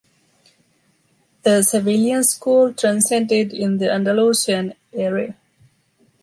The Sevillian school transcended in the Andalusian area.